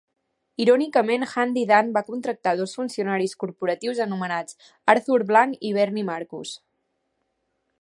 Irònicament, Handy Dan va contractar dos funcionaris corporatius anomenats Arthur Blank i Bernie Marcus.